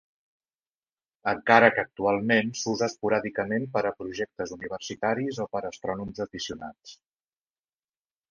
Encara que actualment s'usa esporàdicament per a projectes universitaris o per astrònoms aficionats.